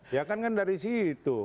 ya kan kan dari situ